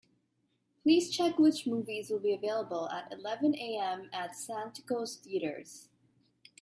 Please check which movies will be available at eleven A.M. at Santikos Theatres?